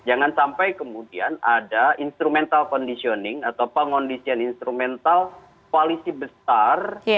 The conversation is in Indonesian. jangan sampai kemudian ada instrumental conditioning atau pengondisian instrumental koalisi besar